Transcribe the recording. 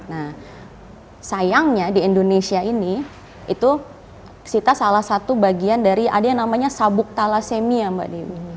nah sayangnya di indonesia ini itu kita salah satu bagian dari ada yang namanya sabuk thalassemia mbak dewi